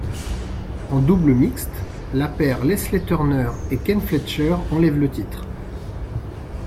En double mixte, la paire Lesley Turner et Ken Fletcher enlève le titre.